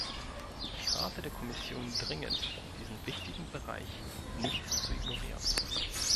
Ich rate der Kommission dringend, diesen wichtigen Bereich nicht zu ignorieren.